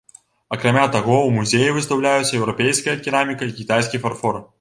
Акрамя таго, у музеі выстаўляюцца еўрапейская кераміка і кітайскі фарфор.